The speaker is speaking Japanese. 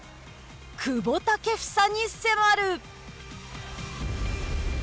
久保建英に迫る！